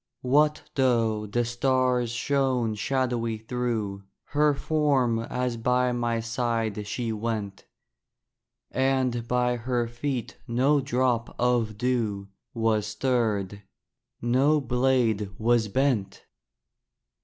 What though the stars shone shadowy through Her form as by my side she went, And by her feet no drop of dew Was stirred, no blade was bent!